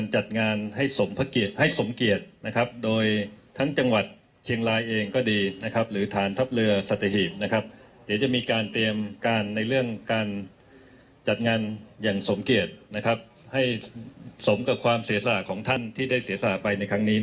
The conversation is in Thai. ให้สมกับความเศษอาของท่านที่ได้เศษอายไปในครั้งนี้